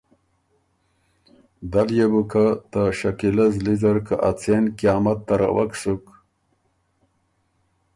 دل يې بو که ته شکیلۀ زلی زر که ا څېن قیامت تروک سُک